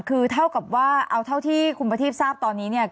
คือเท่ากับว่าเอาเท่าที่คุณประทีปทราบตอนนี้เนี่ย